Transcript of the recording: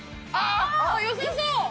よさそう。